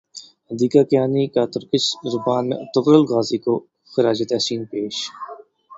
حدیقہ کیانی کا ترکش زبان میں ارطغرل غازی کو خراج تحسین پیش